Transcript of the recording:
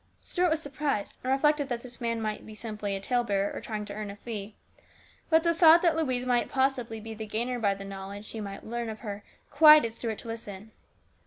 Stuart was surprised, and reflected that this man might be simply a talebearer, or trying to earn a fee ; but the thought that Louise might possibly be the gainer by knowledge he might learn of her quieted Stuart to listen.